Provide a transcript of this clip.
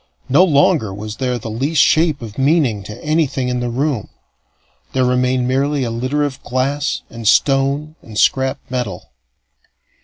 No longer was there the least shape of meaning to anything in the room; there remained merely a litter of glass and stone and scrap metal.